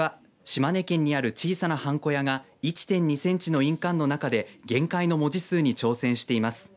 島根県にある小さなはんこ屋が１．２センチの印鑑の中で限界の文字数に挑戦しています。